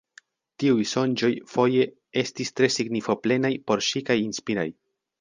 Tiuj sonĝoj foje estis tre signifo-plenaj por ŝi kaj inspiraj.